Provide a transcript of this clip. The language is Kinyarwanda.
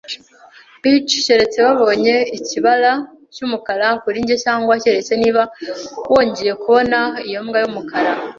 peach keretse babonye ikibara cyumukara kuri njye, cyangwa keretse niba wongeye kubona iyo mbwa yumukara